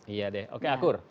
iya deh oke akur